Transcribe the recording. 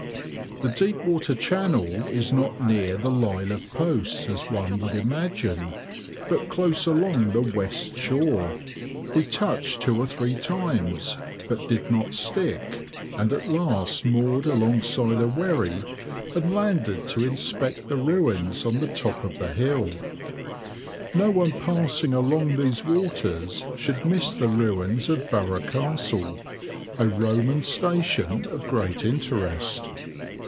The deep water channel is not near the line of posts as one would imagine, but close along the west shore. We touched two or three times, but did not stick, and at last moored alongside a wherry, and landed to inspect the ruins on the top of the hill. No one passing along these waters should miss the ruins of Burgh Castle, a Roman station of great interest.